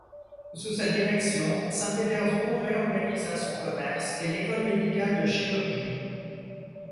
Sous sa direction, Saint-Pétersbourg réorganisa son commerce et l'école médicale de chirurgie.